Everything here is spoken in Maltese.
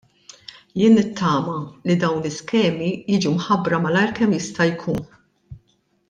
Jien nittama li dawn l-iskemi jiġu mħabbra malajr kemm jista' jkun.